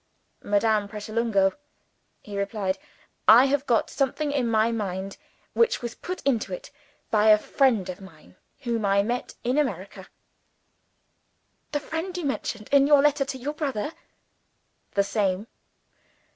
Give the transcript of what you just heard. "Madame Pratolungo," he replied, "I have got something in my mind which was put into it by a friend of mine whom I met in America." "The friend you mentioned in your letter to your brother?" "The same."